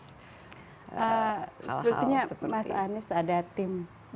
sebetulnya mas anies ada tim